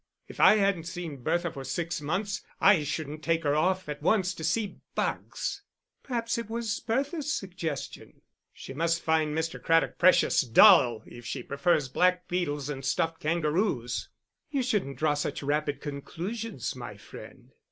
"If I hadn't seen Bertha for six months, I shouldn't take her off at once to see bugs." "Perhaps it was Bertha's suggestion." "She must find Mr. Craddock precious dull if she prefers blackbeetles and stuffed kangaroos." "You shouldn't draw such rapid conclusions, my friend."